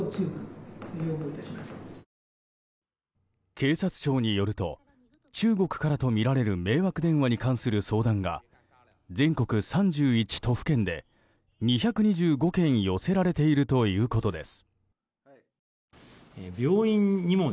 警察庁によると中国からとみられる迷惑電話に関する相談が全国３１都府県で２２５件寄せられているということです。